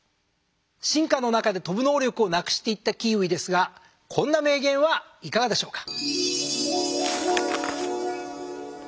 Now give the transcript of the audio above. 進化の中で飛ぶ能力をなくしていったキーウィですがこんな名言はいかがでしょうか。